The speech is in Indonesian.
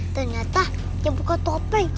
ternyata dia buka topeng